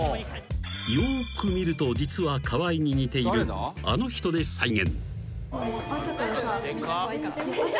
［よく見ると実は川合に似ているあの人で再現］